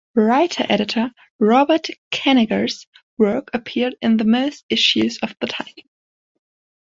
Writer-editor Robert Kanigher's work appeared in most issues of the title.